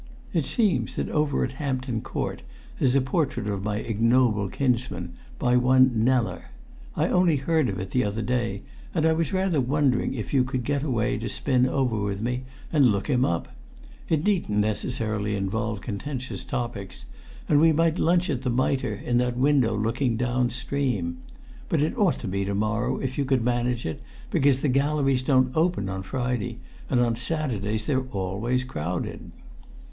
"It seems that over at Hampton Court there's a portrait of my ignoble kinsman, by one Kneller. I only heard of it the other day, and I was rather wondering if you could get away to spin over with me and look him up. It needn't necessarily involve contentious topics, and we might lunch at the Mitre in that window looking down stream. But it ought to be to morrow, if you could manage it, because the galleries don't open on Friday, and on Saturdays they're always crowded."